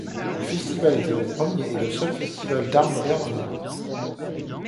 Le festival était le premier et le seul festival d'art moderne en Iran.